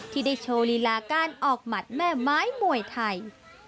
ที่ได้โชว์ลีลาการออกหมัดแม่ไม้มวยไทย